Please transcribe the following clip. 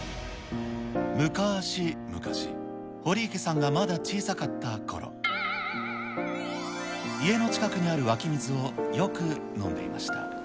むかーしむかし、堀池さんがまだ小さかったころ、家の近くにある湧き水をよく飲んでいました。